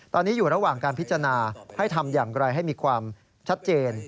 ตอนนี้อยู่ระหว่างการพิจารณาให้ทำอย่างไรให้มีความชัดเจน